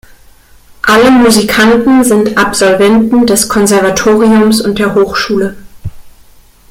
Alle Musikanten sind Absolventen des Konservatoriums und der Hochschule.